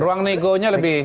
ruang negonya lebih